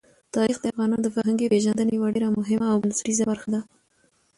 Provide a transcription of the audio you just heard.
تاریخ د افغانانو د فرهنګي پیژندنې یوه ډېره مهمه او بنسټیزه برخه ده.